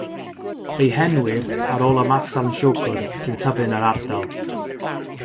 Fe'i henwir ar ôl y masarn siwgr sy'n tyfu yn yr ardal.